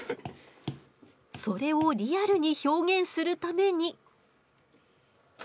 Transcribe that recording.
それをリアルに表現するために。